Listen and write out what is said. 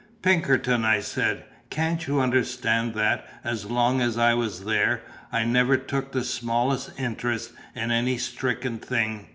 "Pinkerton," I said, "can't you understand that, as long as I was there, I never took the smallest interest in any stricken thing?